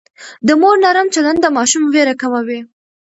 د مور نرم چلند د ماشوم وېره کموي.